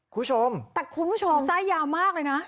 ฮู้ชมแต่คุณผู้ชมอมากเลยนะ